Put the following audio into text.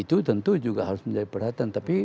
itu tentu juga harus menjadi perhatian tapi